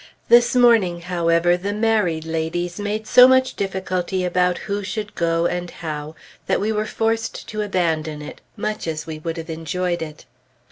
This morning, however, the married ladies made so much difficulty about who should go, and how, that we were forced to abandon it, much as we would have enjoyed it.